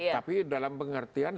tapi dalam pengertian